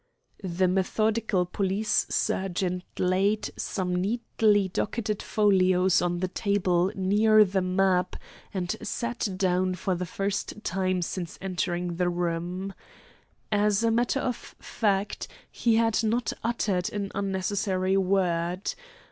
The methodical police sergeant laid some neatly docketed folios on the table near the map, and sat down for the first time since entering the room. As a matter of fact, he had not uttered an unnecessary word.